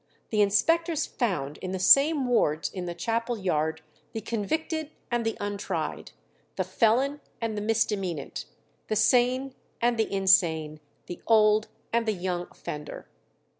The inspectors found in the same wards in the chapel yard the convicted and the untried, the felon and the misdemeanant, the sane and the insane, the old and young offender.